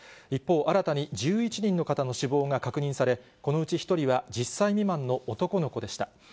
一方、新たに１１人の方の死亡が確認され、このうち１人は１０歳未満の男の子でした。